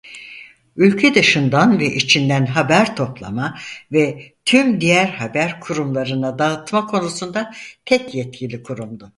Ülke dışından ve içinden haber toplama ve ve tüm diğer haber kurumlarına dağıtma konusunda tek yetkili kurumdu.